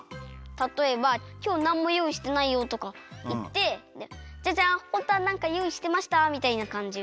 たとえば「きょうなんもよういしてないよ」とかいって「ジャジャン！ホントはなんかよういしてました」みたいなかんじ。